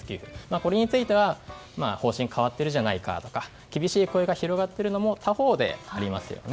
これについては方針が変わっているじゃないかとか厳しい声が広がっているのも他方でありますね。